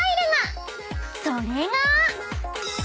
［それが］